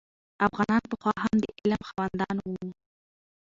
افغانان پخوا هم د علم خاوندان وو.